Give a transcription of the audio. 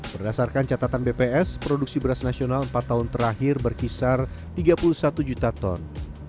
berdasarkan catatan bps produksi beras nasional empat tahun terakhir berkisar tiga puluh satu juta ton